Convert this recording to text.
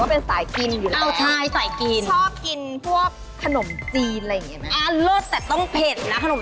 เห็นว่าที่นี่เป็นสายกินอยู่แล้ว